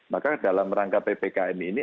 maka dalam rangka ppkm ini